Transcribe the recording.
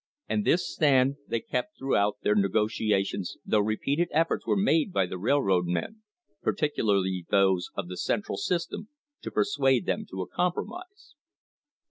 And this stand they kept throughout their negotiations though repeated efforts were made by the railroad men, particularly those of the Central system, to persuade them to a compromise.